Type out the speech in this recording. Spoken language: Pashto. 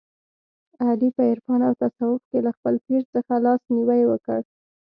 علي په عرفان او تصوف کې له خپل پیر څخه لاس نیوی وکړ.